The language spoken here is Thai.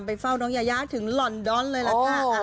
เฝ้าน้องยายาถึงลอนดอนเลยล่ะค่ะ